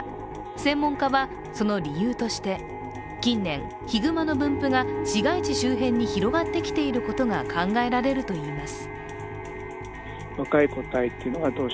専門家は、その理由として近年、ヒグマの分布が市街地周辺に広がってきていることが考えられるといいます。